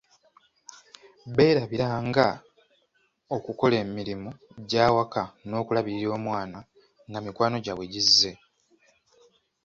Beerabira nga okukola emirimu gy'awaka n'okulabirira omwana nga mikwano gy'abwe gizze.